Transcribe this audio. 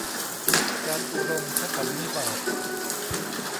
จาตุรงคสันนิบาต